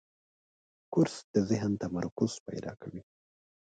کورس د ذهن تمرکز پیدا کوي.